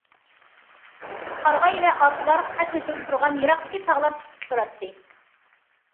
قارىغاي ۋە ئارچىلار قەد كۆتۈرۈپ تۇرغان يىراقتىكى تاغلار سۈكۈتتە تۇراتتى.